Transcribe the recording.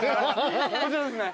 こちらですね。